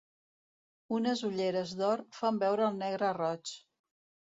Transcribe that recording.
Unes ulleres d'or fan veure el negre roig.